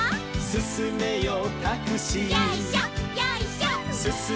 「すすめよタクシー」